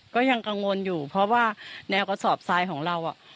ก็ยังกังวลอยู่เพราะว่าแนวกระสอบทรายของเรา